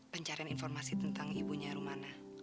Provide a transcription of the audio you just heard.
pencarian informasi tentang ibunya rumana